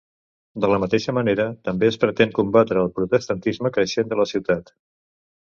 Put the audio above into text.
De la mateixa manera també es pretén combatre el protestantisme creixent de la ciutat.